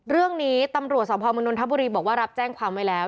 เรื่องนี้ตำรวจสพมนนทบุรีบอกว่ารับแจ้งความไว้แล้ว